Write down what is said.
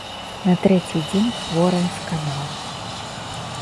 На трэці дзень хворая сканала.